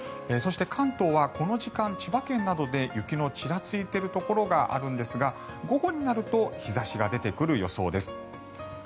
そして、関東はこの時間千葉県などで雪のちらついているところがあるんですが午後になると日差しが出てくる予想です。